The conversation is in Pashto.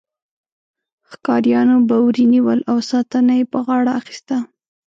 ښکاریانو به وري نیول او ساتنه یې په غاړه اخیسته.